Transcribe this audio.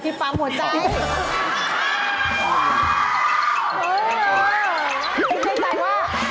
เพื่อนข้าจัยว่า